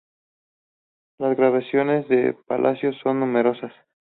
Las grabaciones de Palacios son numerosas.